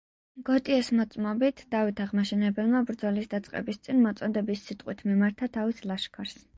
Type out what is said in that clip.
გოტიეს მოწმობით, დავით აღმაშენებელმა ბრძოლის დაწყების წინ მოწოდების სიტყვით მიმართა თავის ლაშქარს.